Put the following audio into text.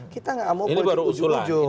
kita tidak mau ujug ujug